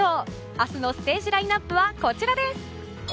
明日のステージラインアップはこちらです。